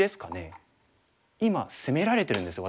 私たち攻められてるんですよ。